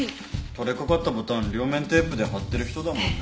取れかかったボタン両面テープで貼ってる人だもんね。